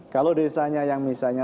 kalau desanya yang misalnya